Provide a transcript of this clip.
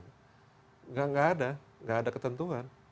tidak ada ketentuan